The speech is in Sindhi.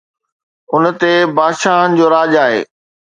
ان تي بادشاهن جو راڄ آهي.